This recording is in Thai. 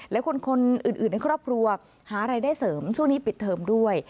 และคนอื่นในครอบครัวหารายได้เสริมช่วงนี้ปิดเทอมด้วย